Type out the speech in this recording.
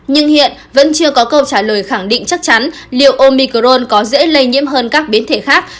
nhưng hiện vẫn chưa có câu trả lời khẳng định chắc chắn liệu omicron có dễ lây nhiễm hơn các biến thể khác